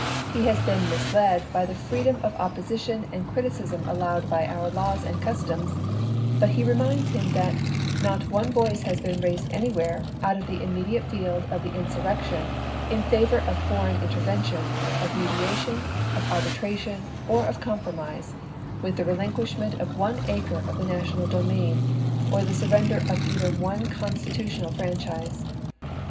He has been misled by the freedom of opposition and criticism allowed by om* laws and customs, but he reminds him that " not one voice has been raised anywhere, out of the immediate field of the insur rection, in favor of foreign intervention, of media tion, of arbitration, or of compromise, with the rehnquishment of one acre of the national domain, or the surrender of even one constitutional fran chise.